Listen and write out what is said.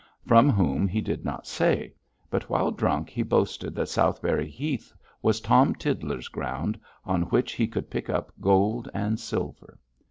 From whom he did not say, but while drunk he boasted that Southberry Heath was Tom Tiddler's ground, on which he could pick up gold and silver.